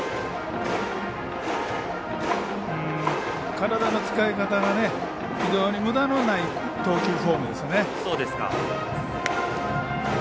体の使い方が非常にむだのない投球フォームですよね。